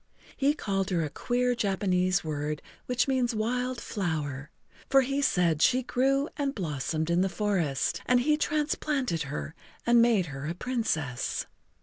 He called her a[Pg 28] queer Japanese word which means Wild Flower, for he said she grew and blossomed in the forest and he transplanted her and made her a Princess.